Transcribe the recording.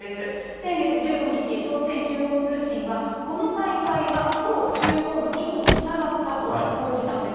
先月１５日、朝鮮中央通信は、この大会は党中央の意図に従ったと報じたんです。